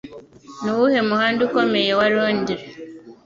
Nuwuhe muhanda Ukomeye wa Londres